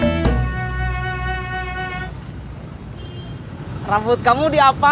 sekarang gue ke mulia apa